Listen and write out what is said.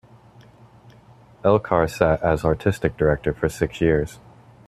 Elcar sat as artistic director for six years.